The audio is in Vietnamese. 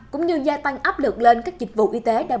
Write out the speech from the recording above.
cũng như gia tăng áp lực lên các dịch vụ y tế đã bị quá tải